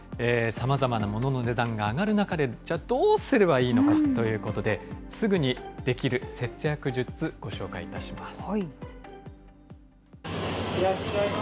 さまざまなモノの値段が上がる中で、じゃあどうすればいいのかということで、すぐにできる節約術、ご紹介いたします。